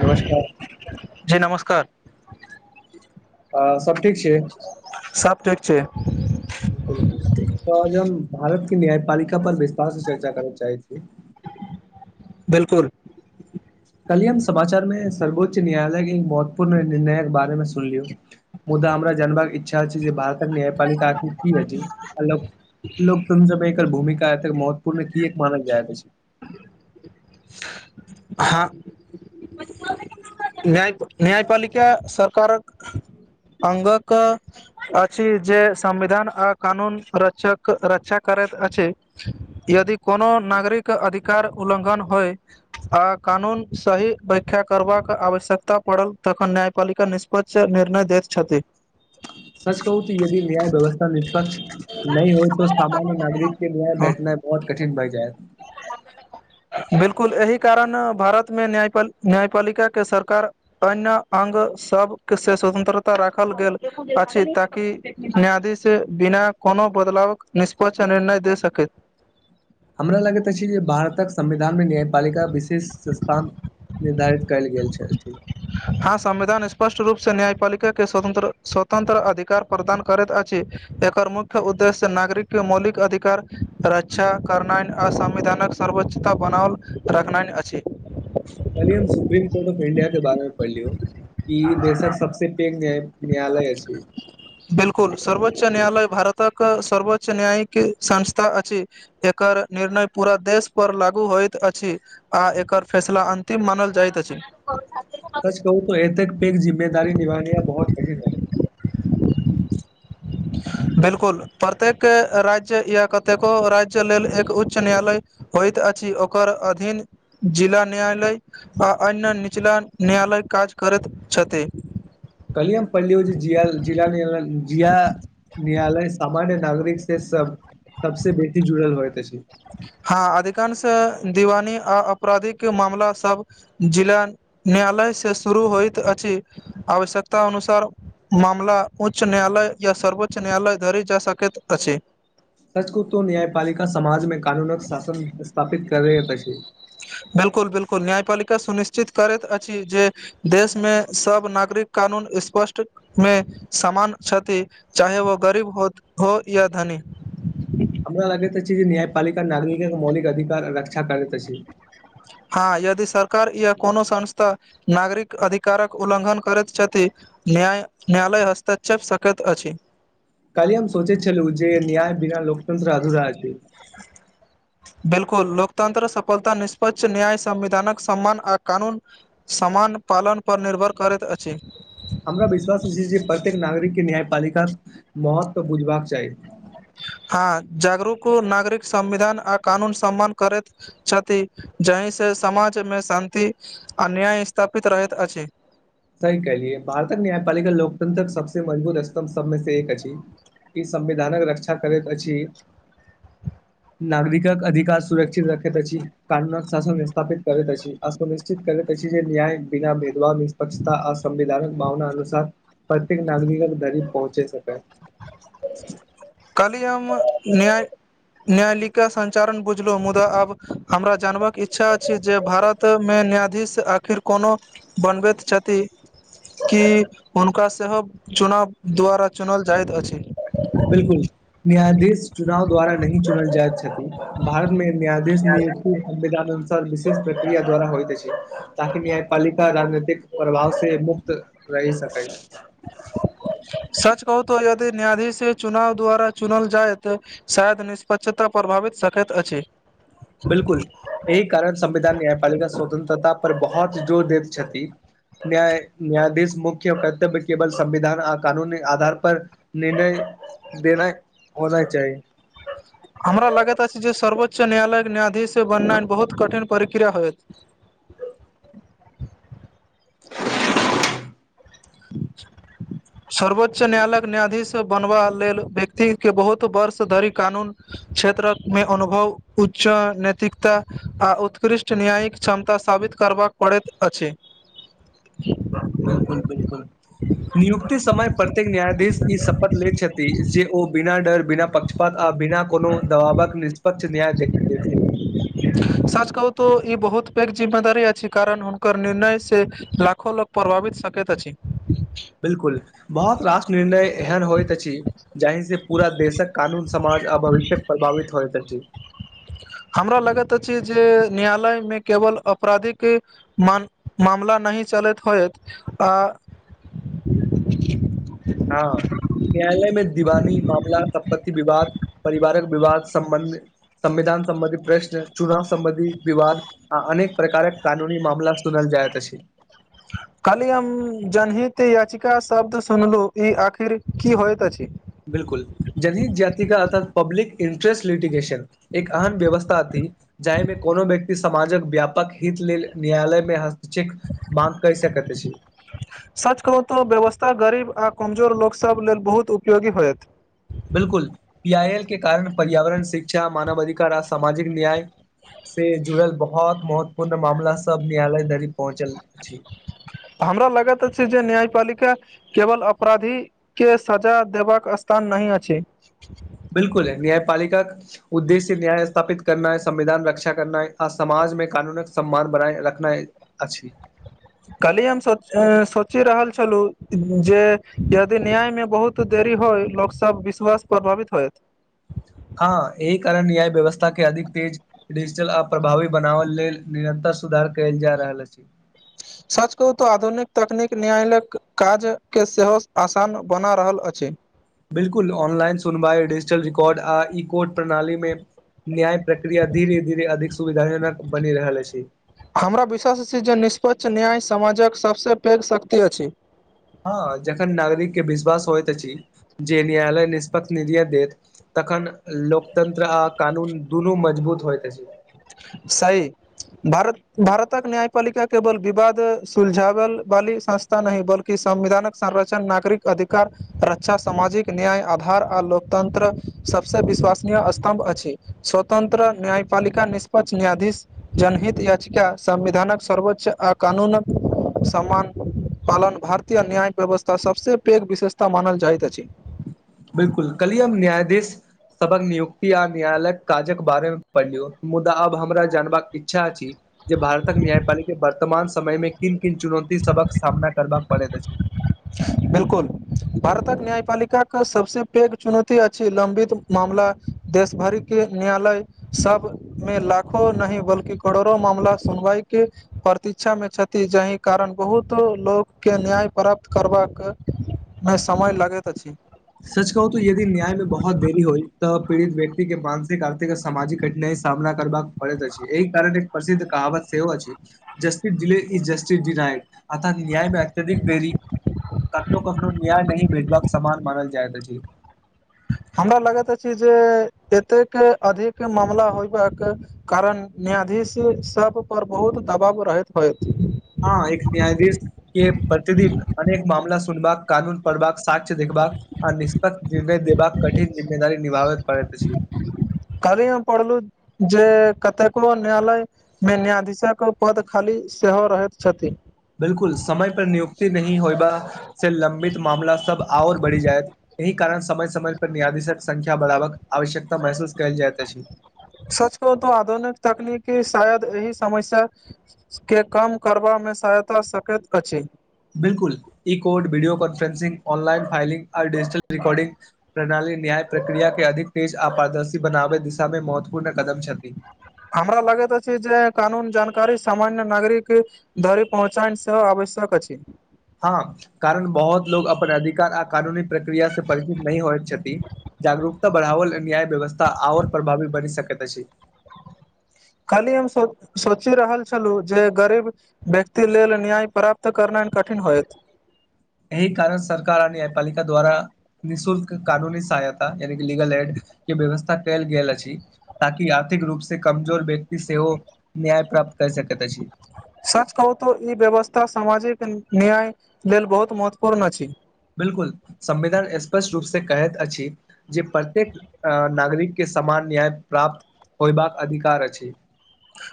नमस्कार जी नमस्कार आ सब ठीक छै सब ठीक छै त ज हम भारतके न्यायपालिका पर विस्तार से चर्चा करना चाहै छी बिलकुल कली हम समाचार में सर्वोच्च न्यायालय के एक महत्वपूर्ण निर्णयके बारे मे सुनलियौ मुदा हमरा जानबाक इच्छा भारतक न्यायपालिका अथ की ह ल तुम पर भूमिका महत्वपूर्ण की एक मानल जाइै छै हँ न्याय न्यायपालिका सरकारक अंगक अछि जे संविधान आ कानून रक्षक रक्षा करैत अछि यदि कोनो नागरिक अधिकार उल्लंघन होय आ कानून सही व्याख्या करबाक आवश्यकता पड़ल तखन न्याय पाललिका निष्पच निर्णय दैतछैथ सच कहू ती यदि लय बवस निष्पक्ष नहि होयो सामान्य नागरिक के ल्याय बैठना बहुत कठिन भए जाय बिलकुल एहि कारण भारतमे न्यायपाल न्यायपालिका के सरकार अन्य अंगक सबके से स्वतंत्रता राखल गेल अछि ताकि न्यायाधीश बिना कोनो बदलावक निष्पक्ष निर्णय दे सकैत हमरा लगैत अछि जे भारतक समि प्रधानमे न्यायपालिका विशेष स्थान निर्धारित कयल गेल छथि हँ संविधान स्पष्ट रूपसँ न्यायपालिका के स्वतंत्र स्वतंत्र अधिकार पर प्रदान करैत अछि एकर मुख्य उद्देश्य नागरिकके मौलिक अधिकार राज्य इच्षा करनैन आर संविधानक सर्वोच्चता बनाओल रखनाइन अछि कली हम सुप्रीम कोर्ट ऑफ इंडिया के बारे मे पढ़ली हं कि देशक सबस पेघ नायालय छी बिलकुल सर्वोच्च न्यालय भारतक सर्वोच्च न्यायिक संस्था अछि एकर निर्णय पूरा देश पर लागू होइत अछि आ एकर फैसला अन्तिम मानल जाइत अछि सच कहू त ऐतेक पैघ जिम्मेदार निभान हा बहुत कठिन ब बिलकुल प्रत्येक राज्य या कतेको राज्य लेल एक उच्च न्यायालय होइत अछि ओकर अधीन जिला न्यायालय आ अन्य निचला न्यायालय काज करैत छथि कलए पहिल हो छै जिया ज जिया न्यायालय सामान्य नागरिक से सब सबस बेसी जुड़ल होइत अछि हँ अधिकांश दीवानी आ आपराधिक मामला सब जिला न्यायालय से शुरू होइत अछि आवश्यकता अनुसार मामला उच्च न्यायालय या सर्वोच्च न्यायालय धरि जा सकैत अछि सचकहु तो न्यायपालिका समाज मे कानूनक शासन स्थापित कर रहेत छै बिलकुल बिलकुल न्यायपलिका सुनिश्चित करैत अछि जे देश मे सब नागरिक कानून स्पष्ट मे समान क्षति चाहे वो गरीब हो या धनी हमरा लगैत छी जे न्यायपालिका नागरिकके मौलिक अधिकार रक्षा करैत छै हँ यदि सरकार या कोनो संस्था नागरिक अधिकारक उल्लंघन करैत छथि न्याय न्यालय हस्तक्षेप सकत अछि काली हम सोचै छलहुँ जे न्याय बिना लोकतंत्र अधूरा अछि बिलकुल लोकतंत्र सफलता निष्पक्ष न्याय संविधानक सम्मान आ कानून समान पालनपर निर्भर करैत अछि हमरा विश्वास छी जे प्रत्येक नागरिक के न्यायपालिका महत्व बुझबाक चाही हँ जागरूक नागरिक संविधान आ कानून सम्मान करैत छथि जाहिसँ समाजमे शान्ति आ न्याय स्थापित रहैत अछि सही कहलियए भारतक न्यायपालिका लोकतंत्रक सबसँ मजबूत स्तंभ सबमे से एक अछि ई संविधानक रक्षा करैत अछि [inaudible] नागरिकक अधिकार सुरक्षित रखैत छी कानूनक शासन विस्थापित करैैत छी अ सुनिश्चित करै त जे न्याय बिना भेदवाव पषता असविधानक भावना अनुसार प्रत्येक नागरिक धरी पहुँचे सकै [inaudible] काली हम न्याय न्यायालिका संचालन बुझलु मुदा आब हमरा जानबाक इच्छा अछि जे भारत त मे न्यायाधीश आखिर कोनो बनबैत छथि की हुनका सेहो चुनाव द्वारा चुनल जाइत अछि बिल्कुल न्यायाधीश चुनाव द्वारा नहि चुनल जाइत छथि भारत मे न्यायाधीश नियुक्ति संवेदान विशेष प्रक्रिया द्वारा होइत छै ताकि न्यायपालिका राजनीतिक प्रभाव से मुक्त रहि सकै सच कहू तो यदि न्यायाधीश चुनाव द्वारा चुनल जाय तऽ शायद निष्पक्षता प्रभावित सकैत अछि बिल्कुल एहि कारण संविधान न्यायपालिका स्वतंत्रता पर बहुत जोर दैत छथि न्याय न्यायाधीश मुख्य कर्तव्य केवल संविधान आ कानून आधार पर निर्णय देना होना चाही हमरा लागैत अछि जे सर्वोच्च न्यायालयक न्यायाधीश बननाइ बहुत कठिन प्रक्रिया होयत [inaudible] [inaudible] सर्वोच्च न्यायालयक न्यायाधीश बनबा लेल व्यक्तिक के बहुत वर्ष धरि कानून क्षेत्रक मे अनुभव उच्च नैतिकता आ उत्कृष्ट न्यायिक क्षमता साबित करबाक पड़ैत अछि बिल्कुल बिल्कुल नियुक्ति समय प्रत्येक न्यायाधीश ई शपथ ले छथि जे ओ बिना डर बिना पक्षपात आ बिना कोनो दबाबक पच न्याय देखेेके रहै सच कहू तो ई बहुत पैघ जिम्मेदारी अछि कारण हुनकर निर्णय से लाखो लोक प्रभावित सकैत अछि बिल्कुल बहुत राष निर्णय एहन होयइत अछि जाहि से पूरा देशक कानून समाज आ भविष्य्यक प्रभावित होइत अछि हमरा लगैत अछि जे न्यायालयमे केवल अपराधिक मान मामला नहि चलैत होयइत आ हँ न्यायालय में दीवानी मामला संपति विवाद परिवारक विवाद समबन्ध संविधान सं्बंधी प्रश्न चुनाव संबंधी विवाद आ अनेक प्रकारक कानूनी मामला सुनल जायत अछि काल्हि हम जनहित याचिका शब्द सुनलु ई आखिर की होइत अछि बिल्कुल जनहित जाति का अर्थात पब्लिक इंट्रेस्ट लिटिगेशन एक अहन व्यवस्था अती जाहिमे कोनो व्यक्ति समाजक व्यापक हित लेल न्यायालय मे हस्त्क्षेप बांक कहि सकत छी सच कहू तऽ व्यवस्था गरीब आ कमजोर लोकसभ लेल बहुत उपयोगी होयत बिलकुल पीआइ एल के कारण पर्यावरण शिक्षा मानव अधिकार आ सामाजिक न्याय से जुड़ल बहुत महत्वपूर्ण मामला सब न्यायालय धरि पहुँचल छी हमरा लगात अछि जे न्यायपालिका केवल अपराधीकेँ सजा देबाक स्थान नहि अछि बिलकुल है न्यायपालिका उद्देश्य न्याय स्थापित करनाए संविधान रक्षा करना ह आ समाजमे कानूनक सम्मान बनाए रखनाई आछि कली हम सोच सोचि रहल छलहु जे यदि न्याय मे बहुत देरी हो लोक सब विश्वास प्रभावित होत हँ एहि कारण न्याय व्यवस्था के अधिक तेज डिजिटल आ प्रभावी बनाल लेल निरन्तर सुधार कयल जा रहल अछि सच कहू तऽ आधुनिक तकनीक न्यायालय काजके सेहो आसान बना रहल अछि बिल्कुल ऑनलाइन सुनवा डिजिटल रिकॉर्ड आ ई कोड प्रणाली मे न्याय प्रक्रिया धीरे धीरे अधिक सुविधाजनक बनि रहल अछि हमरा विश्वास अछि जे निष्पक्ष न्याय समाजक सभसँ पैघ शक्ति अछि हाँ जखन नागरिक के विश्वास होइत छी जे न्यायालय निष्पत्त निर्यत देत तखन लोकतंत्र आ कानून दुनू मजबूत होइत अछि सही भारत भारतक न्यायपालिका केवल विवाद सुलझावल वाली संस्था नहि बल्कि संविधानक संरचण नागरिक अधिकार रक्षा सामाजिक न्याय आधार आ लोकतंत्र सभसँ विश्वसनीय स्तम्भ अछि स्वतंत्र न्यायपालिका निष्पक्ष न्यायाधीश जनहित याचिका संविधानक सर्वोच्च आ कानूनक सम्मान पालन भारतीय न्याय व्यवस्था सभसँ पैघ विशेषता मानल जाइत अछि बिलकुल कलिय हम न्यायाधीश सबक नियुक्ति आ न्यायालयक काजक बारे मे पढ़लियू मुदा आब हमरा जानबाक इच्छा अछि जे भारतक न्यायपालिका वर्तमान समय मे किन किन चुनौती सबक सामना करबा पड़ैत अछि बिल्कुल भारतक न्यायपालिकाक सभसँ पैघ चुनौती अछि लंबित मामला देशभरिके न्यायालय सब मे लाखो नहि बल्कि करोड़ो मामला सुनवाई के प्रतिक्षा में छथि जाहि कारण बहुत लोक के न्याय प्राप्त करबाक में समय लगैत अछि सच कहू तऽ यदि न्याय मे बहुत देरी होई तऽ पीड़ित व्यक्ति के मानसिक आर्थिक स् सामाजिक कठिनाई सामना करबाक पड़ैत अछि एहि कारण एक प्रसिद्ध कहावत सेहो अछि justice delay is justice denied अतः न्याय मे अत्यधिक बेरी कखनो कखनो न्याय नहि भेदबाक समान मानल जाय दहिंन हमरा लगैत अछि जे एतेक अधिक मामला होयबाक कारण न्यायाधीश सभ पर बहुत दबाव रहैत होइत हँ एक न्यायाधीश के प्रतिदिन अनेक मामला सुनबाक कानून पढ़बाक साक्ष्य देखबाक आ निष्पक्ष निर्णय देबाक कठिन जिम्मेदार निभावे पड़ैत अछि कल्हि हम पढ़लु जे कतेको न्यालय मे न्यायाधीशक पद खाली सेहो रहैत छथि बिलकुल समय पर नियुक्ति नहि होयबा से लंबित मामला सब आओर बढ़ी जाय एहि कारण समय समय पर न्यायधीसक संख्य बढ़ावक आवश्यकता महसूस कइल जाइत अछि सच कहु तऽ आधुनिक तकनीकी शायद एहि समस्या के कम करबामे सहायता कें सकैत अछि बिल्कुल ई code video conferencing online filing आडिजिटल रिकॉर्डिंग प्रणाली न्याय प्रक्रिया के अधिक तेज आ पारदर्शी बनाबे दिशा में महत्वपूर्ण कदम छथि हमरा लगैत अछि जे कानून जानकारी सामान्य नागरिक धरी पहुँचान सेहो आवश्यक अछि छै हँ कारण बहुत लोग अपन अधिकार आ कानूनी प्रक्रिया से परिचित नहि होइत छथिन जागरूकता बढ़ावल न्याय व्यवस्था आर प्रभावी बनि सक त छै काल्हि हम सोचि रहल छलहुँ जे गरीब व्यक्ति लेल न्याय प्राप्त करनाए कठिन होएत एही कारण सरकार आ न्यायपालिका द्वारा निःशुल्क कानूनी सहायता यनिकी लीगल एड के व्यवस्था कल गेल अछि ताकि आर्थिक रूप से कमजोर व्यक्ति सेहो न्याय प्राप्त कर सकैत अछि सच कहू तऽ ई व्यवस्था सामाजिक न्याय लेल बहुत महत्वपूर्ण अछि बिल्कुल संविधान स्पष्ट रूप से कहैत अछि जे प्रत्येक अ नागरिक के समान न्याय प्राप्त होयबाक अधिकार अछि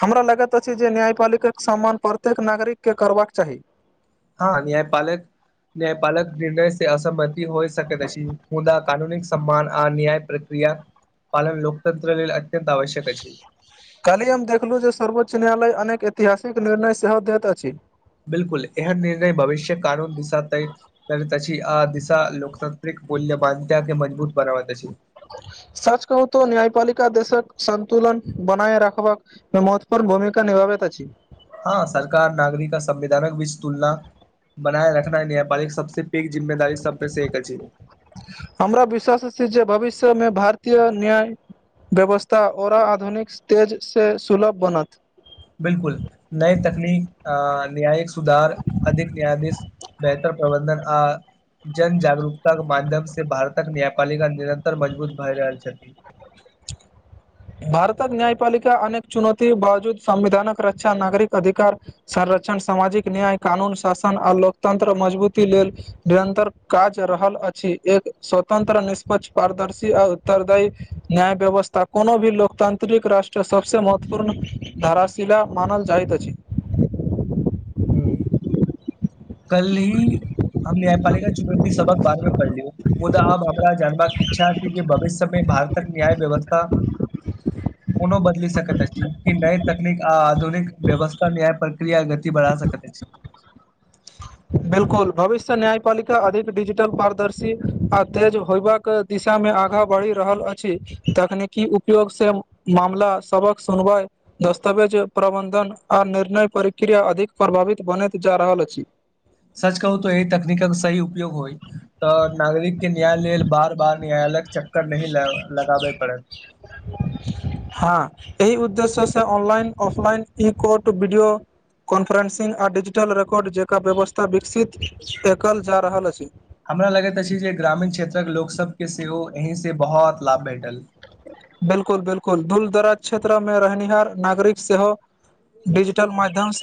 हमरा लगैत अछि जे न्यायपालिका के सम्मान प्रत्येक नागरिक के करबाक चाही हँ न्यायपालक न्यायपालक निर्णय असंगति हो सकैत अछि मुदा कानूनिक सम्मान आ न्याय प्रक्रिया क्रिया पालन लोकतन्त्र लेल अत्योत आवश्यक अछि काल्हि हम देखलहुँ जे सर्वोच्च न्यायालय अनेक ऐतिहासिक निर्णय सेहो दैत अछि बिल्कुल एहन निर्णय भविष्य कानून दिशा तै त त आ दिशा लोकतांत्रिक मूल्य बधिता के मजबूत बनावत अछि सच कहुतअ न्यायपालिका देशक सन्तुलन बनाय राखबाक महत्वपूर्ण भूमिका निभाबैत अछि हँ सरकार नागरिक आ संविधानक बीच तुलना बनाए रखना नेपाली सबसँ पेघ जिम्मेदार सबसँ एक अछि हमरा विश्वास छै जे भविष्य में भारतीय न्याय व्यवस्था ओओर आधुनिक स्टेजसँ सुलभ बनत बिल्कुल नय तकनीक अऽ न्याय सुधार अधिक न्यायाधीश बेहतर प्रबन्धन आ जन जागरूकता के माध्यम से भारतक न्यायपालिका निरन्तर मजबूत भए रहल छथिन [unintelligible] भारतक न्यायपालिका अनेक चुनौती बावजूद संविधानक रक्षा नागरिक अधिकार संरक्षण सामाजिक न्याय कानून शासन आ लोकतंत्र मजबूती लेल निरन्तर काज रहल अछि एक स्वतंत्र निष्पक्ष पारदर्शी आ उत्तरदायी न्याय व्यवस्था कोनो भी लोक तांत्रिक राष्ट्र सभसँ महत्वपूर्ण धाराशिला मानल जाइत अछि ह कल ही हम न्यायपालिका चुनौती सबक बारमे पढ़लियौ मुदा अब हमरा जानबाक इच्छा जे भविष्यमे भारतक न्याय व्यवस्था कोनो बदल सकैत अछि की नई तकनीक आ आधुनिक व्यवस्था न्याय प्रक्रिया इ बारा सकैत अछि बिलकुल भविष्य न्यायपालिका अधिक डिजिटल पारदर्शी आ तेज होयबाक दिशा मे आगाँ बढ़ि रहल अछि तकनीकी उपयोग से मामला सबक सुनवाइ दस्तावेज प्रबन्धन आ निर्णय प्रक्रिया अधिक प्रभावित बनैत जा रहल अछि सच कहू त ई तकनीकल सही उपयोग होइ तऽ नागरिक के न्याय लेल बार बार न्यायालय च [unintelligible] ल लगाबे पड़त हँ ई उद्देश्य से अनलइन अफलइन इ कोट भीडोयो कॉन्फ्रेन्सिंग आ डिजिटल रेकॉर्ड जकराँ व्यवस्था विकसित देखल एल जा रहल अछि हमरा लगैत अछि जे ग्रामीण क्षेत्रक लोकसभके सेहो एहिसँ बहुत लाभ भेटल बिल्कुल बिल्कुल धूल दराज क्षेत्र में रहनिहार नागरिक सेहो डिजिटल माध्यमसँ